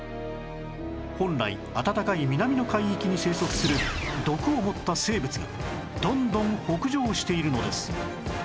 本来暖かい南の海域に生息する毒を持った生物がどんどん北上しているのです